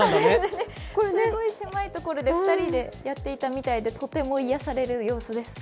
すごい狭いところで２人でやっていたみたいでとても癒やされる様子です。